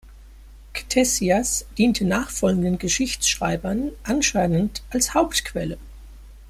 Ktesias diente nachfolgenden Geschichtsschreibern anscheinend als Hauptquelle.